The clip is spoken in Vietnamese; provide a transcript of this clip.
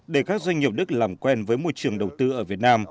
để các doanh nghiệp đức làm quen với môi trường đầu tư ở việt nam